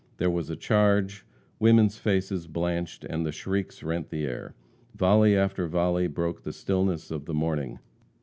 There was a charge, women's faces blanched, and shrieks rent the air. Volley after volley broke the stillness of the morning.